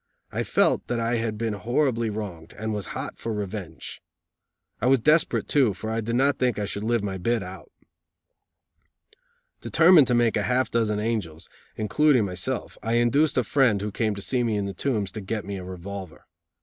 I felt that I had been horribly wronged, and was hot for revenge. I was desperate, too, for I did not think I should live my bit out. Determined to make half a dozen angels, including myself, I induced a friend, who came to see me in the Tombs, to get me a revolver.